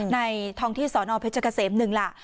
ทองที่สนเพชรเกษม๑ล่ะ